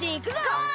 ゴー！